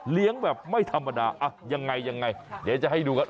เลี้ยงแบบไม่ธรรมดายังไงเดี๋ยวจะให้ดูกัน